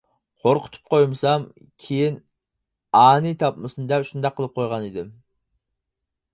«قورقۇتۇپ قويمىسام كېيىن ئانىي تاپمىسۇن» دەپ شۇنداق قىلىپ قويغان ئىدىم.